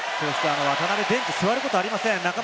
渡邊、ベンチに座ることはありません。